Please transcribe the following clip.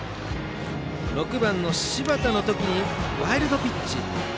６番の柴田にワイルドピッチ。